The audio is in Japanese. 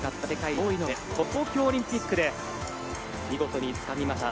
この東京オリンピックで見事につかみました。